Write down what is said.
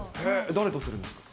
誰とするんですか？